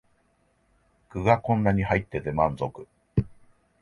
具がこんなに入ってて満足